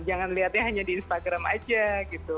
jangan lihatnya hanya di instagram aja gitu